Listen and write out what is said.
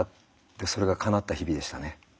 それがかなった日々でしたね。